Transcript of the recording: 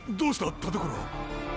田所。